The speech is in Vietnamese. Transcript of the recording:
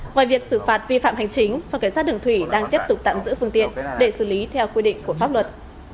ngoài việc xử phạt vi phạm hành chính phòng cảnh sát đường thủy đang tiếp tục tạm giữ phương tiện để xử lý theo quy định của pháp luật